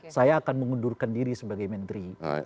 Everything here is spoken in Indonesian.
saya akan mengundurkan diri sebagai menteri